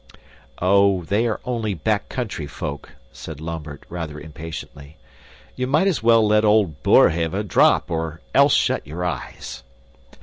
"Oh, they are only back country folk," said Lambert, rather impatiently. "You might as well let old Boerhaave drop or else shut your eyes."